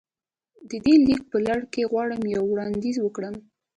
د دې ليک په لړ کې غواړم يو وړانديز وکړم.